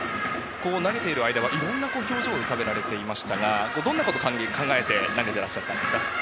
投げている間はいろんな表情を浮かべていましたがどんなことを考えて投げてらっしゃったんですか？